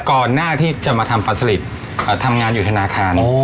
ก่อนหน้าที่จะมาทำปลาสลิดทำงานอยู่ธนาคาร